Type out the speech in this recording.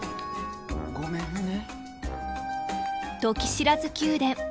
ごめんね。